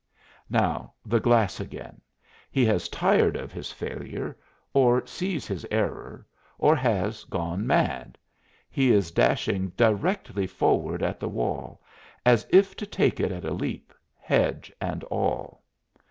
Now the glass again he has tired of his failure, or sees his error, or has gone mad; he is dashing directly forward at the wall, as if to take it at a leap, hedge and all!